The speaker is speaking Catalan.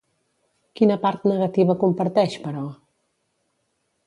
Quina part negativa comparteix, però?